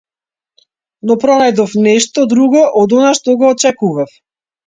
Но пронајдов нешто друго од она што го очекував.